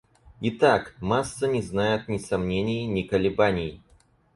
Итак, масса не знает ни сомнений, ни колебаний.